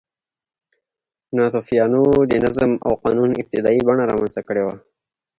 ناتوفیانو د نظم او قانون ابتدايي بڼه رامنځته کړې وه.